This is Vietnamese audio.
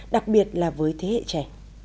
đặc biệt là với thế hệ trẻ